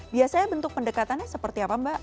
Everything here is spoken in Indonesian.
biasanya bentuk pendekatannya seperti apa mbak